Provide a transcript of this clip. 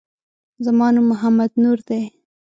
زما نوم محمد نور دی